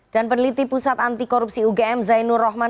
dan peneliti pusat anti korupsi ugm zainur rohman